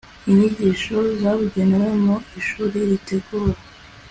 inyigisho zabugenewe mu ishuri ritegura